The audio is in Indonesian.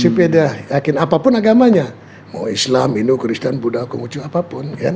sepeda yakin apapun agamanya mau islam hindu kristen buddha kongucu apapun